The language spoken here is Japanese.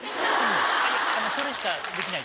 それしかできない。